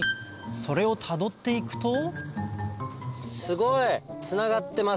それをたどって行くとすごい。